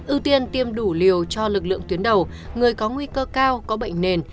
ưu tiên tiêm đủ liều cho lực lượng tuyến đầu người có nguy cơ cao có bệnh nền